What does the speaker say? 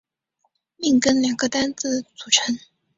命根两个单字组成。